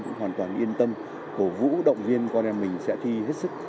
cũng hoàn toàn yên tâm cổ vũ động viên con em mình sẽ thi hết sức